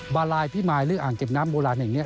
บาลายพิมายหรืออ่างเก็บน้ำโบราณแห่งนี้